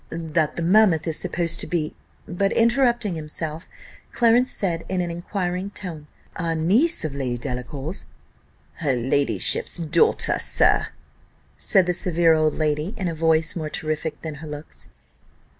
"That the mammoth is supposed to be " but interrupting himself, Clarence said in an inquiring tone "A niece of Lady Delacour's?" "Her ladyship's daughter, sir," said the severe old lady, in a voice more terrific than her looks.